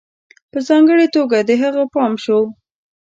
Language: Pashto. په ځانگړي توگه د هغه پام شو